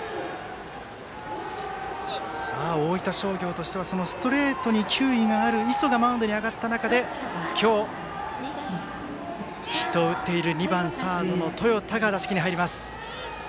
さあ、大分商業としてはストレートに球威がある磯がマウンドに上がった中で今日、ヒットを打っている２番サード、豊田の打席です。